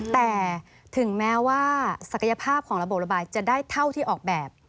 แต่ถึงแม้ว่าศักยภาพของระบบระบายจะได้เท่าที่ออกแบบ